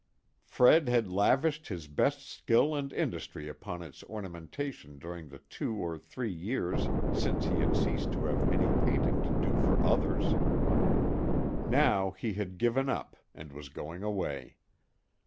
Fred had lavished his best skill and industry upon its ornamentation during the two or three years since he had ceased to have any painting to do for others. Now he had given up and was going away.